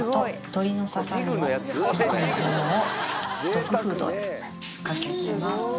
ドッグフードにかけてます。